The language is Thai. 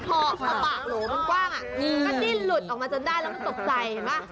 พอปากโหลมันกว้างก็ดิ้นหลุดออกมาจนได้แล้วมันตกใจเห็นป่ะ